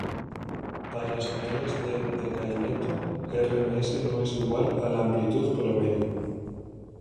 Para señales de decaimiento, rms no es igual a la amplitud promedio.